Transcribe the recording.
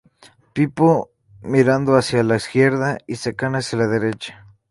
Pipo mirando hacia la izquierda y C-Kan hacia la derecha.